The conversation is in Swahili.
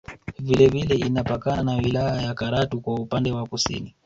Vile vile inapakana na wilaya ya Karatu kwa upande wa Kusini